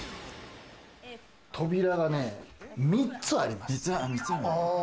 扉がね、３つあります。